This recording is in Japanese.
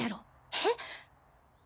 えっ？